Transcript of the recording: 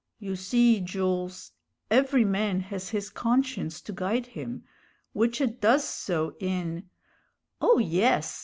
"You see, Jools, every man has his conscience to guide him, which it does so in " "Oh, yes!"